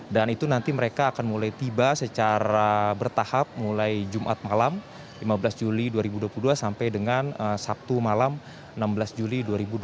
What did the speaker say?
dan itu nanti mereka akan mulai tiba secara bertahap mulai jumat malam lima belas juli dua ribu dua puluh dua sampai dengan sabtu malam enam belas juli dua ribu dua puluh dua